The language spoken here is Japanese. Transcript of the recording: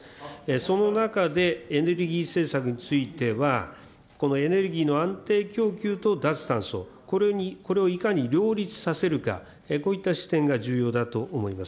その中で、エネルギー政策については、このエネルギーの安定供給と脱炭素、これをいかに両立させるか、こういった視点が重要だと思います。